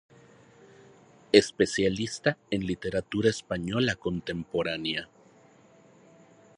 Especialista en literatura española contemporánea.